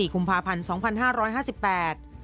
๒๔คุมภาพันธ์๒๕๕๘